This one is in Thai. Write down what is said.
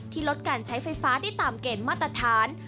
ลดการใช้ไฟฟ้าได้ตามเกณฑ์มาตรฐาน